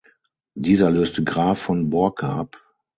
Dieser löste Graf von Borcke ab.